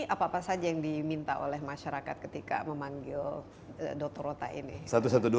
apa apa saja yang diminta oleh masyarakat ketika memanggil dr rota ini